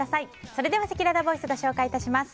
それではせきららボイスご紹介致します。